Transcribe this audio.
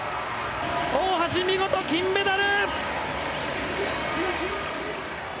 大橋、見事金メダル。